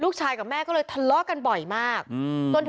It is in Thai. ลูกนั่นแหละที่เป็นคนผิดที่ทำแบบนี้